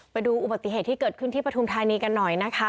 ไปดูอุบัติเหตุที่เกิดขึ้นที่ปฐุมธานีกันหน่อยนะคะ